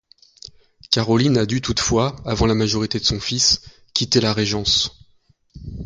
Caroline a du toutefois, avant la majorité de son fils, quitter la régence.